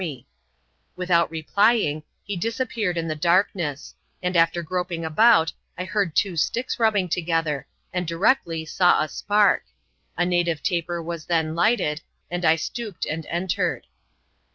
245 Without replying, he disappeared in the darkness ; and, after groping about, I heard two sticks rubbing together, and directly saw a spark. A native taper was then lighted, and I stooped, and entered.